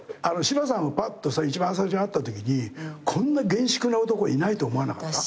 柴さんぱっとさ一番最初に会ったときにこんな厳粛な男いないと思わなかった？